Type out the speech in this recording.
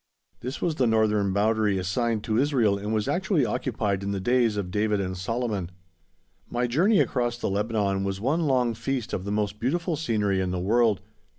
This was the northern boundary assigned to Israel and was actually occupied in the days of David and Solomon. My journey across the Lebanon was one long feast of the most beautiful scenery in the world.